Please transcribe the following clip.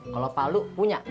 kalau palu punya